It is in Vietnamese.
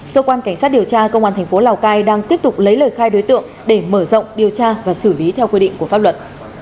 cơ quan cảnh sát điều tra công an thành phố lào cai đang tiếp tục lấy lời khai đối tượng để mở rộng điều tra và xử lý theo quy định của pháp luật